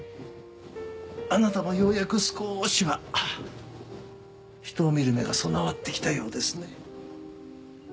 あなたもようやく少しは人を見る目が備わってきたようですね。